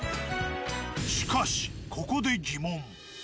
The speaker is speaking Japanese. しかしここで疑問。